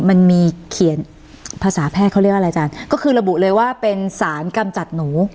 มันมีเขียนภาษาแพทย์เขาเรียกว่าอะไรอาจารย์ก็คือระบุเลยว่าเป็นสารกำจัดหนู